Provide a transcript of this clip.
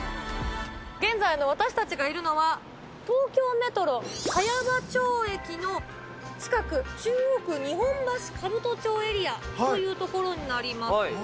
現在、私たちがいるのは、東京メトロ茅場町駅の近く、中央区日本橋兜町エリアというところになります。